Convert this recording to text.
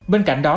bên cạnh đó